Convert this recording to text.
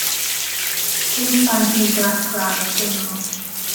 Please find me Glass Cloud – Single.